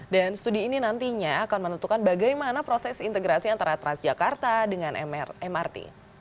dan studi ini nantinya akan menentukan bagaimana proses integrasi antara transjakarta dengan mrt